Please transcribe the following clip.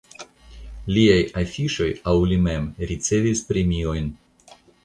Liaj afiŝoj aŭ li mem ricevis premiojn.